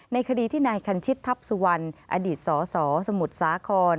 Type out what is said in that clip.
ในคดีที่นายคันชิตทัพสุวรรณอดีตสสสมุทรสาคร